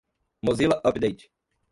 mozilla update